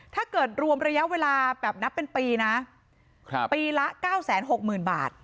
รวมระยะเวลาแบบนับเป็นปีนะปีละ๙๖๐๐๐บาท